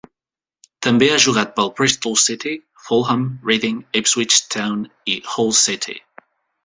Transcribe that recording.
També ha jugat pel Bristol City, Fulham, Reading, Ipswich Town i Hull City.